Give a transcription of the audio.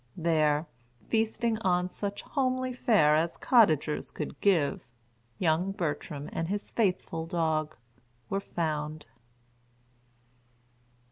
There, feasting on such homely fare as cottagers could give, young Bertram and his faithful dog, were found.